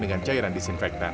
dengan cairan disinfektan